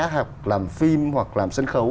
hoặc làm phim hoặc làm sân khấu